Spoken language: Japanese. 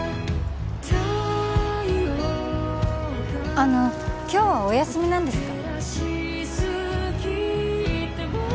あの今日はお休みなんですか？